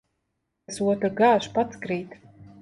Kas otru gāž, pats krīt.